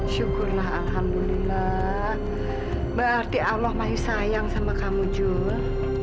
syukurlah alhamdulillah berarti allah masih sayang sama kamu jul